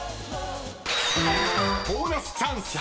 ［ボーナスチャンス！］